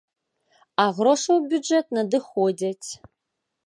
А грошы ў бюджэт надыходзяць.